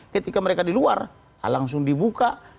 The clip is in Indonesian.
ketika mereka di luar langsung dibuka